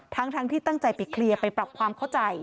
ทั้งที่ตั้งใจไปเคลียร์ไปปรับความเข้าใจ